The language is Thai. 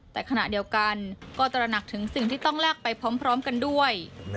แต่ขณะเดียวกันก็ตระหนักถึงสิ่งที่ต้องแลกไปพร้อมกันด้วย